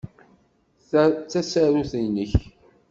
Ta d tasarut-nnek.